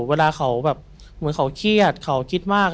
เวลาเขาแบบเหมือนเขาเครียดเขาคิดมาก